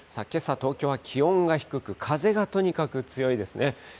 けさ、東京は気温が低く、風がとにかく強いですね。